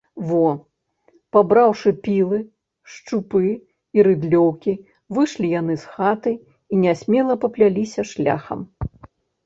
Во, пабраўшы пілы, шчупы і рыдлёўкі, выйшлі яны з хаты і нясмела папляліся шляхам.